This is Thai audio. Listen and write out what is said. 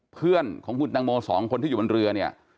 เพื่อนของคุณตังโมสองคนที่อยู่บนเรือเนี่ย